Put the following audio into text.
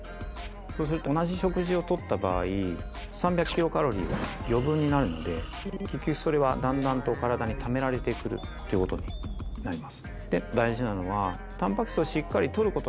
そうすると同じ食事をとった場合３００ｋｃａｌは余分になるので結局それはだんだんと体にためられてくるっていうことになります。